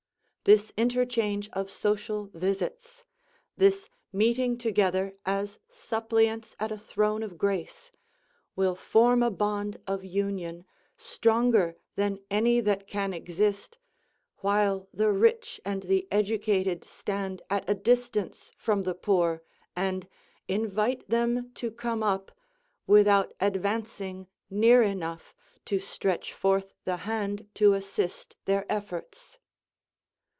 This interchange of social visits, this meeting together as suppliants at a throne of grace, will form a bond of union stronger than any that can exist, while the rich and the educated stand at a distance from the poor, and invite them to come up, without advancing near enough to stretch forth the hand to assist their efforts.